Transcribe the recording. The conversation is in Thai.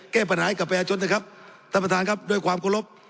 แก้ปัญหาให้กับประชาชนนะครับท่านประธานครับด้วยความเคารพ